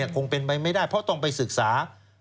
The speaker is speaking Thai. คงเป็นไปไม่ได้เพราะต้องไปศึกษา